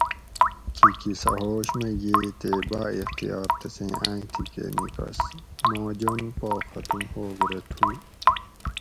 "کھیکی سہ ہوش مئی ییئے تے بااختیار تسیں آۤئیں تھی کہ نِیکس ""ماں جون پا ختم ہوگ رہ تُھو"